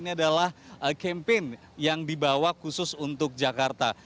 ini adalah campaign yang dibawa khusus untuk jakarta